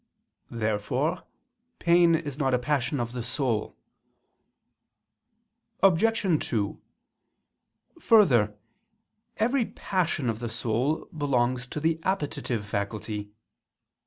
Therefore pain is not a passion of the soul. Obj. 2: Further, every passion of the soul belongs to the appetitive faculty.